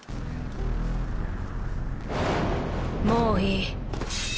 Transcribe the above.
もういい。